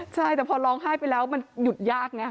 ใช่แต่พอร้องไห้ไปแล้วมันหยุดยากไง